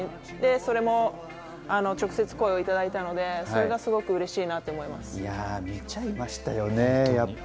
それも直接、声をいただいたのでそれがすごく嬉しいなと思います。